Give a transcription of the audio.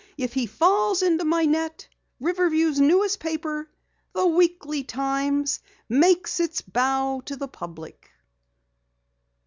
If he falls into my net, Riverview's newest paper, The Weekly Times, makes its bow to the public."